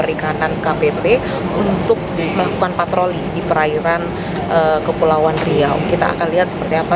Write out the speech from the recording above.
perikanan kpp untuk melakukan patroli di perairan kepulauan riau kita akan lihat seperti apa